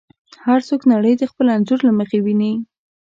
هر څوک نړۍ د خپل انځور له مخې ویني.